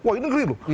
wah ini ngeri loh